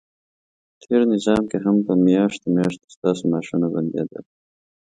تېر نظام کې هم په میاشتو میاشتو ستاسو معاشونه بندیدل،